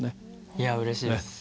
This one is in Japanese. いやうれしいです。